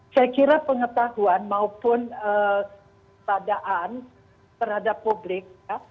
saya kira pengetahuan maupun padaan terhadap publik